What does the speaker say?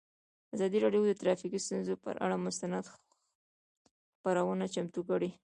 ازادي راډیو د ټرافیکي ستونزې پر اړه مستند خپرونه چمتو کړې.